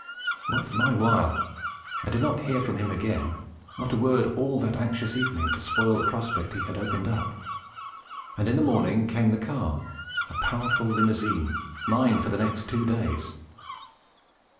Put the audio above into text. Worth my while! I did not hear from him again; not a word all that anxious evening to spoil the prospect he had opened up; and in the morning came the car, a powerful limousine, mine for the next two days!